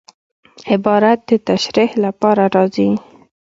عبارت د تشریح له پاره راځي.